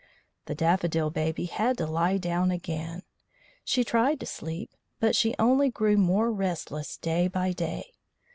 The Daffodil Baby had to lie down again. She tried to sleep, but she only grew more restless day by day.